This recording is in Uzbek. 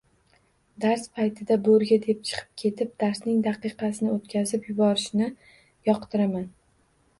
Dars payti bo'rga deb chiqib ketib, darsning daqiqasini o'tkazib yuborishni yoqtiraman!